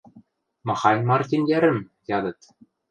— Махань Мартин йӓрӹм? — ядыт.